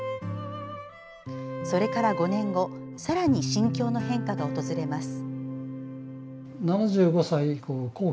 それから５年後さらに心境の変化が訪れます。